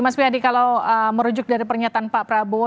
mas ferdi kalau merujuk dari pernyataan pak prabowo